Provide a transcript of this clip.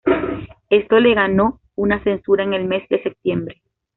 Esto le ganó una censura en el mes de septiembre.